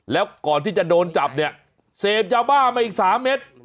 แล้วก่อนที่จะโดนจับเนี่ยเสพยาบ้ามาอีก๓เม็ด